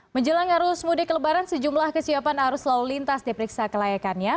menjelang arus mudik lebaran sejumlah kesiapan arus lalu lintas diperiksa kelayakannya